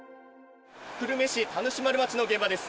久留米市田主丸町の現場です。